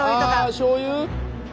あしょうゆ？